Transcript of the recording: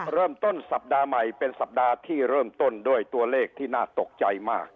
เริ่มต้นสัปดาห์ใหม่เป็นสัปดาห์ที่เริ่มต้นด้วยตัวเลขที่น่าตกใจมาก